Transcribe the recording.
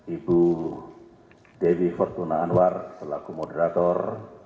ibu dewi fortuna anwar selaku moderator